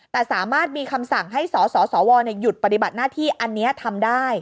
แต่สามารถมีคำสั่งให้สสวหยุดปฏิบัติหน้าที่อันนี้ทำได้